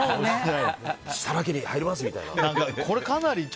設楽家に入りますみたいな。